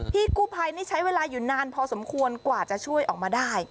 พี่กู้ภัยนี่ใช้เวลาอยู่นานพอสมควรกว่าจะช่วยออกมาได้